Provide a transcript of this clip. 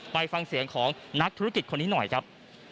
ไปฟังเสียงของนักธุรกิจคนนี้หน่อยครับ